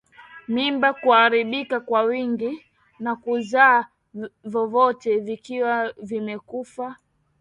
Mimba kuharibika kwa wingi na kuzaa vitoto vikiwa vimekufa